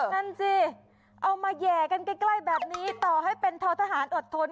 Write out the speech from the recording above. นั่นสิเอามาแห่กันใกล้แบบนี้ต่อให้เป็นทอทหารอดทน